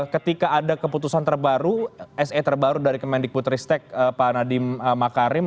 ketika ada keputusan terbaru sa terbaru dari kemendik putri stek pak nadiem makarim